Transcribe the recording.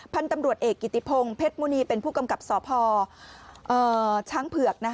พันธุ์ตำรวจเอกกิติพงศ์เพชรมุณีเป็นผู้กำกับสพช้างเผือก